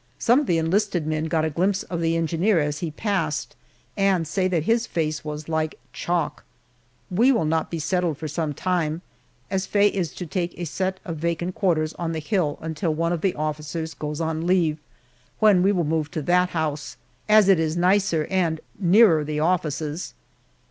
Some of the enlisted men got a glimpse of the engineer as he passed and say that his face was like chalk. We will not be settled for some time, as Faye is to take a set of vacant quarters on the hill until one of the officers goes on leave, when we will move to that house, as it is nicer and nearer the offices.